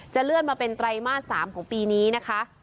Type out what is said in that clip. เลื่อนมาเป็นไตรมาส๓ของปีนี้นะคะ